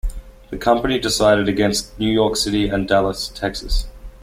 The company decided against New York City and Dallas, Texas.